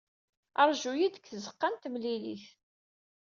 Ṛju-iyi deg tzeɣɣa n temlilit.